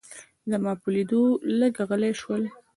زما په لیدو لږ غلي شول.